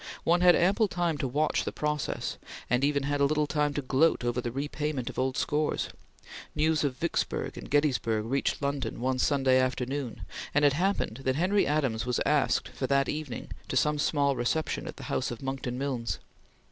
One had ample time to watch the process, and had even a little time to gloat over the repayment of old scores. News of Vicksburg and Gettysburg reached London one Sunday afternoon, and it happened that Henry Adams was asked for that evening to some small reception at the house of Monckton Milnes.